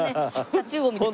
タチウオみたい。